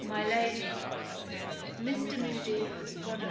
"My Lady," he said, "Mr. Moody has gone out."